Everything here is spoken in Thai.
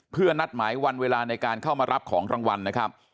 เพื่อนัดหมายวันเวลาในการเข้ามารับของรางวัลนะครับ